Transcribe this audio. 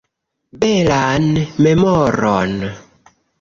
Belan memoron!